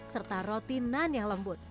serta rotinan yang lembut